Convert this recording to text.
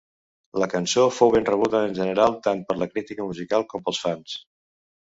La cançó fou ben rebuda en general tant per la crítica musical com pels fans.